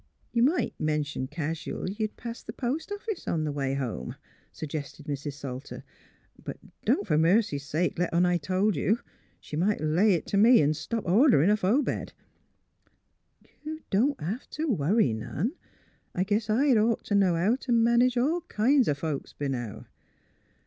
'''' You might mention casual you'd pass the post office on th' way home," suggested Mrs. Sal ter. '' But don't, fer mercy' sake, let on I told you. She might lay it t' me an' stop orderin' off Obed." '^ You don't hev to worry none. I guess I'd ought t' know how t' manage all kin's o' folks b' now.